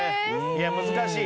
いや難しい。